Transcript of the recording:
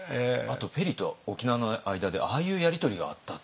ペリーと沖縄の間でああいうやり取りがあったっていう。